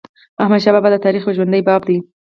احمدشاه بابا د تاریخ یو ژوندی باب دی.